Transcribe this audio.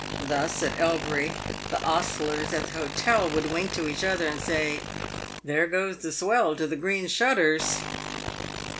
Thus, at Elbury, the ostlers at the hotel would wink to each other and say, "There goes the swell to the Green Shutters."